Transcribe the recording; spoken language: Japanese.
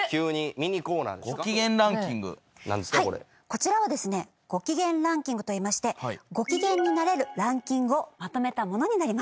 こちらはですねごきげんランキングといいましてごきげんになれるランキングをまとめたものになります。